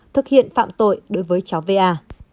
thực hiện phạm tội đối với cháu v a